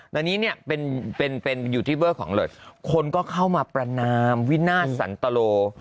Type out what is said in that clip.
ตอนนี้เนี่ยเป็นยูทูบเบอร์ของเลยคนก็เข้ามาประนามวินาทสันตโล